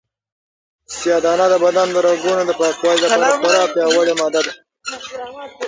سیاه دانه د بدن د رګونو د پاکوالي لپاره خورا پیاوړې ماده ده.